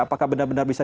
apakah benar benar bisa